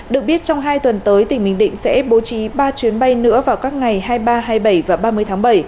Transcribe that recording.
được biết trong hai tuần tới tỉnh bình định sẽ bố trí ba chuyến bay nữa vào các ngày hai mươi ba hai mươi bảy và ba mươi tháng bảy